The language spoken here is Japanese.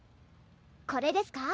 これですか？